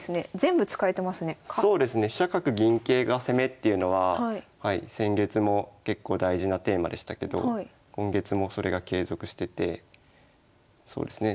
っていうのは先月も結構大事なテーマでしたけど今月もそれが継続しててそうですね